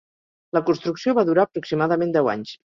La construcció va durar aproximadament deu anys.